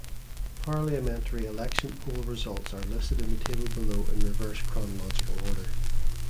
Parliamentary election poll results are listed in the table below in reverse chronological order.